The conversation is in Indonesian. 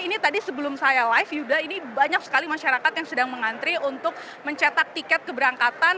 ini tadi sebelum saya live yuda ini banyak sekali masyarakat yang sedang mengantri untuk mencetak tiket keberangkatan